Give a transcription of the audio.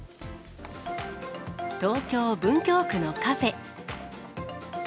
東京・文京区のカフェ。